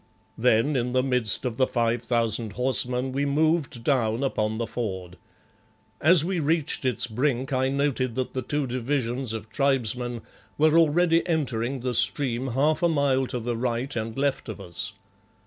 Then, in the midst of the five thousand horsemen, we moved down upon the ford. As we reached its brink I noted that the two divisions of tribesmen were already entering the stream half a mile to the right and left of us.